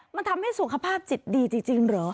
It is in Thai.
มันทำให้สุขภาพจิตดีจริงเหรอ